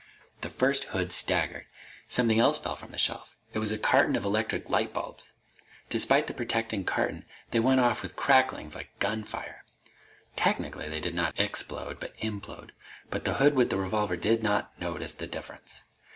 The first hood staggered. Something else fell from the shelf. It was a carton of electric light bulbs. Despite the protecting carton, they went off with crackings like gunfire. Technically, they did not explode but implode, but the hood with the revolver did not notice the difference.